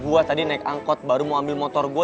gue tadi naik angkot baru mau ambil motor gue